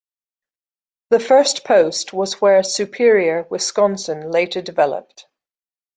The first post was where Superior, Wisconsin, later developed.